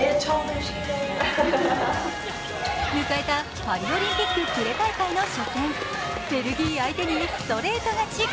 迎えたパリオリンピックプレ大会の初戦、ベルギー相手にストレート勝ち。